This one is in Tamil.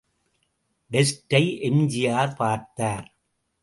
டெஸ்டை எம்.ஜி.ஆர்.பார்த்தார்.